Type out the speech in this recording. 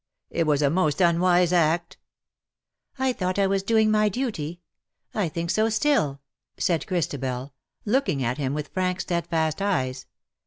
It was a most unwise act." ^' I thought I was doing my duty. I think so still/' said Christabel, looking at him with frank steadfast eyes.